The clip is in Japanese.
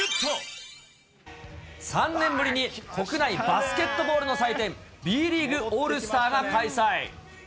３年ぶりに国内バスケットボールの祭典、Ｂリーグ・オールスターが開催。